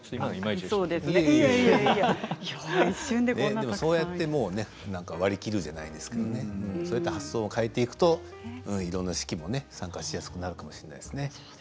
でも、そうやって割り切るじゃないですけれども発想を変えていくといろんな式も参加しやすくなるかもしれないですね。